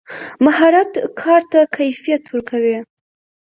مهارت کار ته کیفیت ورکوي.